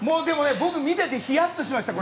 僕、見ててヒヤッとしました。